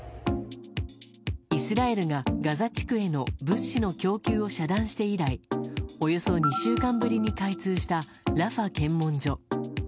イスラエルがガザ地区への物資の供給を遮断して以来およそ２週間ぶりに開通したラファ検問所。